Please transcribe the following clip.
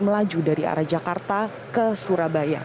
melaju dari arah jakarta ke surabaya